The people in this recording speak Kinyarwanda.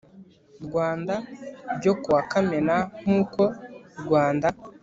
Rwanda ryo kuwa Kamena nk uko Rwanda